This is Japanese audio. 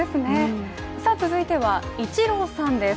続いてはイチローさんです。